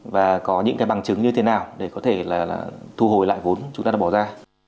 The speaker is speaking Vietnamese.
và có những cái bằng chứng như thế nào để có thể là thu hồi lại vốn chúng ta đã bỏ ra